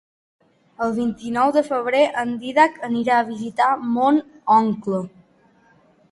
El vint-i-nou de febrer en Dídac anirà a visitar mon oncle.